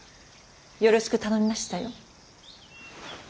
よろしく頼みましたよ。